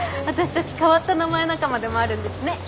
私たち変わった名前仲間でもあるんですね。